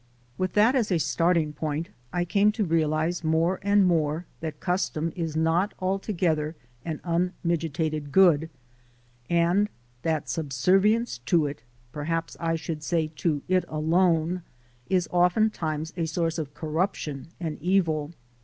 With that as a starting point I came to realize more and more that custom is not altogether an unmiti 282THE SOUL OF AN IMMIGRANT gated good, and that subservience to it, perhaps I should say to it alone, is oftentimes a source of corruption and evil.